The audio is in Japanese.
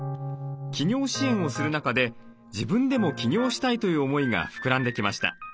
起業支援をする中で自分でも起業したいという思いが膨らんできました。